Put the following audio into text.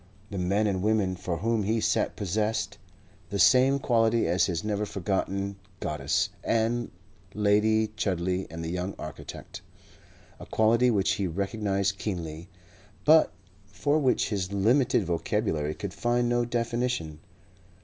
The men and women for whom he sat possessed the same quality as his never forgotten goddess and Lady Chudley and the young architect a quality which he recognized keenly, but for which his limited vocabulary could find no definition.